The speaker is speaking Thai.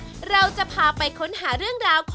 คนที่มาทานอย่างเงี้ยควรจะมาทานแบบคนเดียวนะครับ